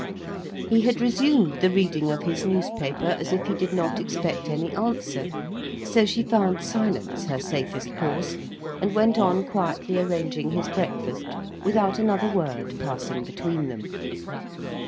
He had resumed the reading of his newspaper, as if he did not expect any answer; so she found silence her safest course, and went on quietly arranging his breakfast without another word passing between them.